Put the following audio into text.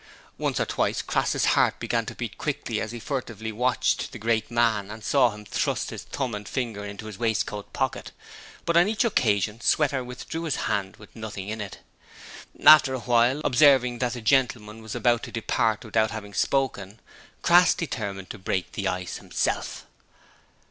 Once or twice Crass's heart began to beat quickly as he furtively watched the great man and saw him thrust his thumb and finger into his waistcoat pocket, but on each occasion Sweater withdrew his hand with nothing in it. After a while, observing that the gentleman was about to depart without having spoken, Crass determined to break the ice himself.